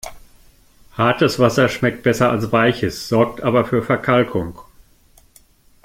Hartes Wasser schmeckt besser als weiches, sorgt aber für Verkalkung.